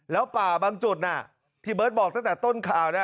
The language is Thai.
แล้วป่าบางจุดที่เบิร์ตบอกตั้งแต่ต้นข่าวนะ